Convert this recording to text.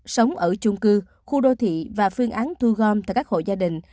sống ở chung cư khu đô thị và phương án thu gom tại các hộ gia đình